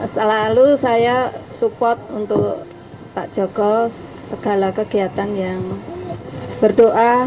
selalu saya support untuk pak joko segala kegiatan yang berdoa